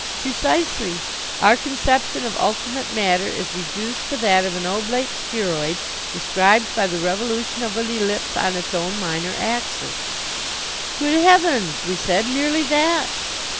"Precisely. Our conception of ultimate matter is reduced to that of an oblate spheroid described by the revolution of an ellipse on its own minor axis!" "Good heavens!" we said. "Merely that."